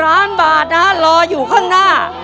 ล้านบาทนะรออยู่ข้างหน้า